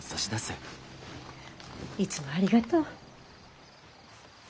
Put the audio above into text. いつもありがとう。